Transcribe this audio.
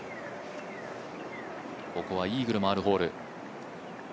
ここはイーグルもあるホール。